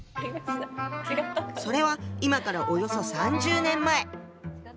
それは今からおよそ３０年前。